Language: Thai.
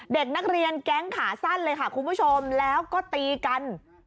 เด็กนักเรียนแก๊งขาสั้นเลยค่ะคุณผู้ชมแล้วก็ตีกัน